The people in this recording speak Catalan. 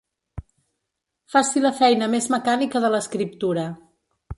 Faci la feina més mecànica de l'escriptura.